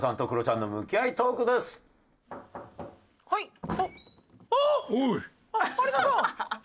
はい。